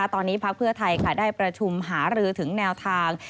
ตอนนี้พักเพื่อไทยได้ประชุมหารือถึงแนวทาง